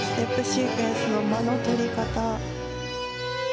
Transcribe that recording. ステップシークエンスの間の取り方。